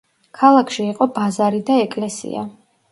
ქალაქში იყო ბაზარი და ეკლესია.